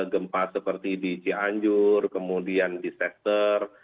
gempa seperti di cianjur kemudian di sester